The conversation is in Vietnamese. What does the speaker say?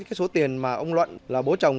cái số tiền mà ông luận là bố chồng